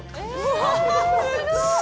うわすっごい！